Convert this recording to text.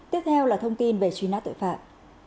tiếp theo là thông tin về truy nã tội phạm